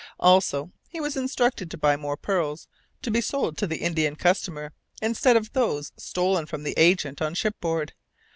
Also, he was instructed to buy more pearls, to be sold to the Indian customer, instead of those stolen from the agent on shipboard.